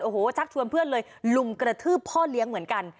โอ้โหชักชวนเพื่อนเลยลุมกระทืบพ่อเลี้ยงเหมือนกัน